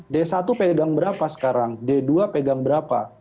d satu pegang berapa sekarang d dua pegang berapa